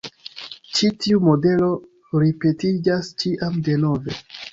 Ĉi tiu modelo ripetiĝas ĉiam denove.